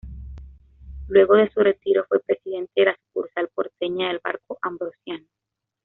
Luego de su retiro fue presidente de la sucursal porteña del Banco Ambrosiano.